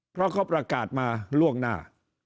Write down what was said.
เพราะเขาประกาศมาล่วงหน้า